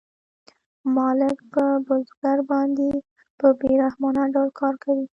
مالک په بزګر باندې په بې رحمانه ډول کار کوي